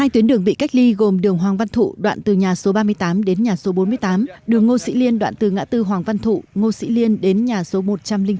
hai tuyến đường bị cách ly gồm đường hoàng văn thụ đoạn từ nhà số ba mươi tám đến nhà số bốn mươi tám đường ngô sĩ liên đoạn từ ngã tư hoàng văn thụ ngô sĩ liên đến nhà số một trăm linh bốn